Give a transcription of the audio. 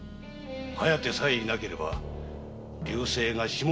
「疾風」さえいなければ「流星」が下総一番の駿馬。